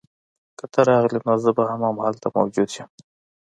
که ته راغلې نو زه به هم هلته موجود یم